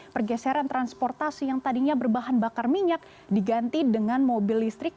pergeseran transportasi yang tadinya berbahan bakar minyak diganti dengan mobil listrik